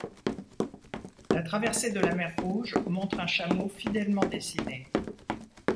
La traversée de la Mer Rouge montre un chameau fidèlement dessiné.